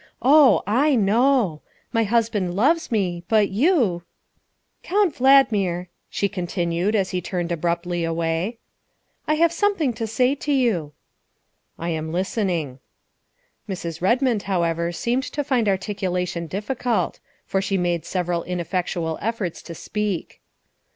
Oh, I know. My husband loves me, but you " Count Valdmir, " she continued as he turned ab ruptly away, " I have something to say to you." " I am listening." Mrs. Redmond, how r ever, seemed to find articulation difficult, for she made several ineffectual efforts to speak.